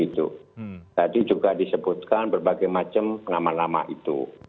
tadi juga disebutkan berbagai macam nama nama itu